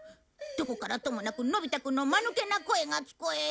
どこからともなくのび太くんの間抜けな声が聞こえる。